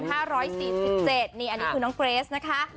อันนี้คือน้องเกรสนะคะ